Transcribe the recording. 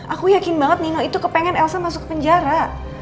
aku yakin banget nino itu kepengen elsa masuk ke penjara